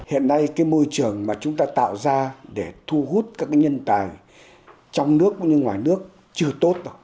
hiện nay cái môi trường mà chúng ta tạo ra để thu hút các nhân tài trong nước và ngoài nước chưa tốt đâu